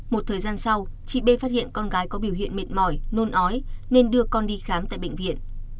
một thời gian sau chị b phát hiện con gái có biểu hiện mệt mỏi nôn ói nên đưa con đi khám tại bệnh viện